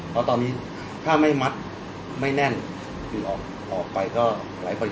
เพราะตอนนี้ถ้าไม่มัดไม่แน่นออกไปก็ไร่ประโยชน์